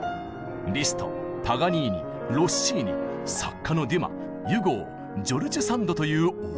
リストパガニーニロッシーニ作家のデュマユゴージョルジュ・サンドというオールスター！